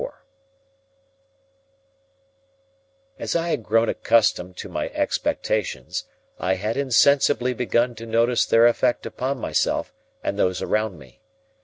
As I had grown accustomed to my expectations, I had insensibly begun to notice their effect upon myself and those around me.